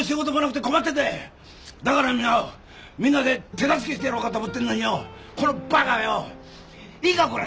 だからみんなみんなで手助けしてやろうかと思ってんのによこのバカがよいいかこら！